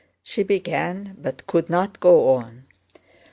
she began, but could not go on.